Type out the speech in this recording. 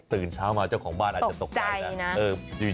ตื่นเช้ามาเจ้าของบ้านอาจจะตกใจนะ